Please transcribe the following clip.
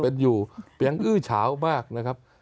เป็นอยู่เป็นอื้อเฉามากนะครับ